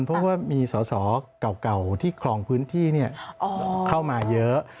เพราะว่ามีสอสอเก่าที่ครองพื้นที่เข้ามาเยอะ